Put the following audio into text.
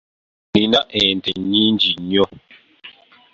Nina ente nnyingi nnyo.